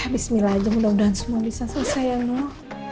bismillah aja mudah mudahan semua bisa selesai ya nu